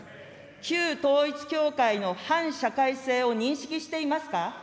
旧統一教会の反社会性を認識していますか。